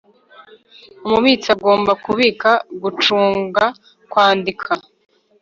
Umubitsi agomba kubika gucunga kwandika